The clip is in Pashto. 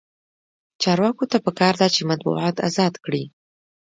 چارواکو ته پکار ده چې، مطبوعات ازاد کړي.